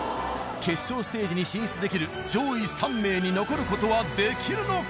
決勝ステージに進出できる上位３名に残る事はできるのか？